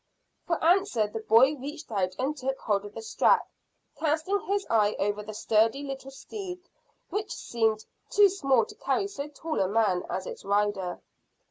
For answer the boy reached out and took hold of the strap, casting his eye over the sturdy little steed, which seemed too small to carry so tall a man as its rider.